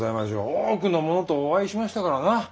多くの者とお会いしましたからな。